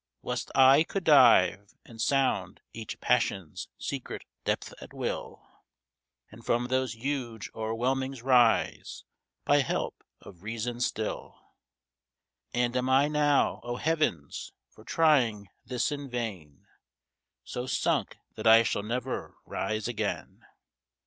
Was't I could dive, and sound each passion's secret depth at will? And from those huge o'erwhelmings rise, by help of reason still? And am I now, O heavens! for trying this in vain, So sunk that I shall never rise again?